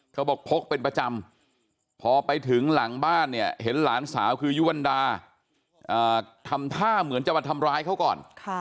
เขาบอกพกเป็นประจำพอไปถึงหลังบ้านเนี่ยเห็นหลานสาวคือยุวรรดาทำท่าเหมือนจะมาทำร้ายเขาก่อน